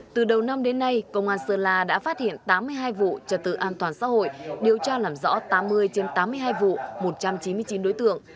từ đầu năm đến nay công an sơn la đã phát hiện tám mươi hai vụ trật tự an toàn xã hội điều tra làm rõ tám mươi trên tám mươi hai vụ một trăm chín mươi chín đối tượng